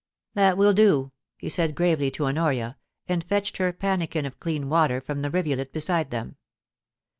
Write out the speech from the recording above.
* That will do,' he said gravely to Honoria, and fetched her a pannikin of clean water from the rivulet beside them.